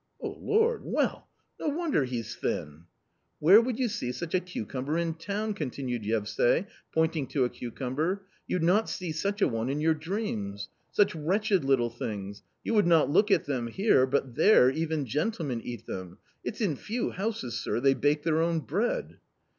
" O Lord ! well ! no wonder he's thin !" "Where would you see such a cucumber in town?" continued Yevsay, pointing to a cucumber, " you'd not see such a one in your dreams. Such wretched little things — you would not look at them here, but there even gentlemen eat them. It's in few houses, sir, they bake their own bread."